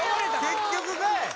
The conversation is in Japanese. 結局かい